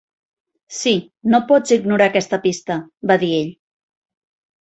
"Sí, no pots ignorar aquesta pista," va dir ell.